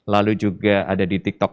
lalu juga ada di tiktok